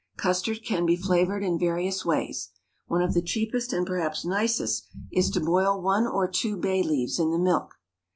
Custard can be flavoured in various ways. One of the cheapest and perhaps nicest is to boil one or two bay leaves in the milk.